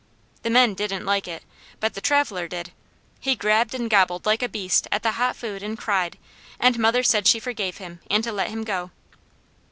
The men didn't like it, but the traveller did. He grabbed and gobbled like a beast at the hot food and cried, and mother said she forgave him, and to let him go.